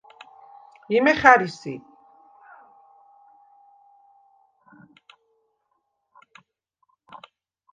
იმე ხა̈რი სი?